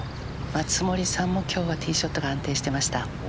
松森さん、今日はティーショットが安定していました。